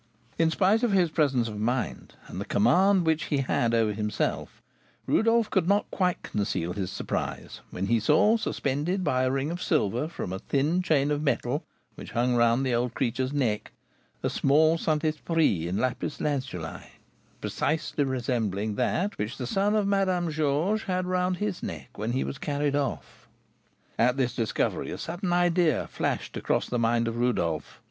In spite of his presence of mind, and the command which he had over himself, Rodolph could not quite conceal his surprise when he saw suspended by a ring of silver, from a thick chain of metal which hung round the old creature's neck, a small Saint Esprit in lapis lazuli, precisely resembling that which the son of Madame Georges had round his neck when he was carried off. At this discovery, a sudden idea flashed across the mind of Rodolph.